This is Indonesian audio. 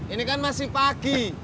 ini kan masih pagi